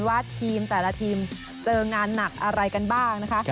ว่าทีมแต่ละทีมเจองานหนักอะไรกันบ้างนะคะ